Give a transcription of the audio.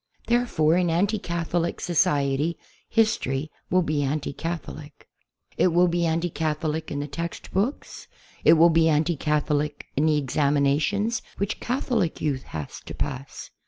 Therefore, in anti Catholic society his tory will be anti Catholic. It will be anti Catholic in the textbooks. It will be anti Catholic in the examinations which Catholic youth has to pass.